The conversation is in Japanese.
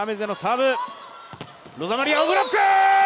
ロザマリアをブロック！